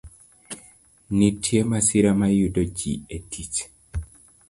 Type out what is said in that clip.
Nitie masira ma yudo ji e tich.